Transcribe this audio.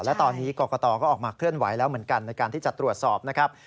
และตอนนี้กรกตก็ออกมาเคลื่อนไหวแล้วเหมือนกันในการที่จะตรวจสอบนะครับ